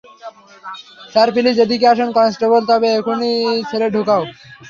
Sir, please এদিকে আসুন, constable ওকে এক্ষুনি সেলে ডুকাও।